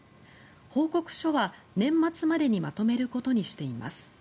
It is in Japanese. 報告書は年末までにまとめることにしています。